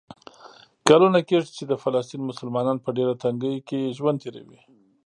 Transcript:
کلونه کېږي چې د فلسطین مسلمانان په ډېره تنګۍ کې ژوند تېروي.